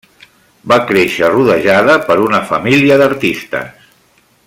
Va créixer rodejada per una família d’artistes.